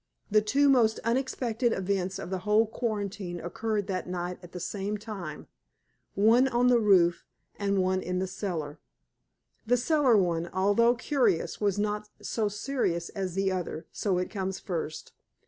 The two most unexpected events of the whole quarantine occurred that night at the same time, one on the roof and one in the cellar. The cellar one, although curious, was not so serious as the other, so it comes first.